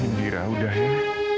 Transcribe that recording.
indira udah ya